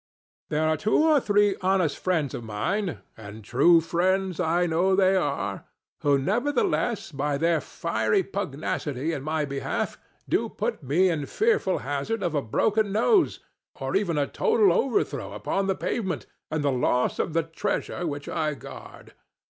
There are two or three honest friends of mine—and true friends I know they are—who nevertheless by their fiery pugnacity in my behalf do put me in fearful hazard of a broken nose, or even a total overthrow upon the pavement and the loss of the treasure which I guard.